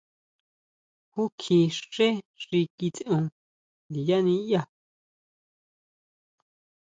¿Júkji xé xi kitseon ndiyá niʼyaá?